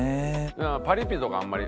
パリピとかはあんまり？